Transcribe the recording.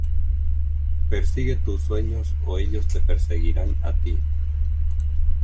Persigue tus sueños o ellos te perseguirán a ti